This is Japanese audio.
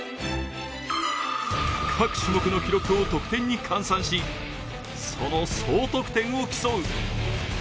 各種目の記録を得点に換算し、その総得点を競う。